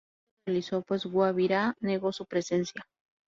No se realizó pues Guabirá negó su presencia.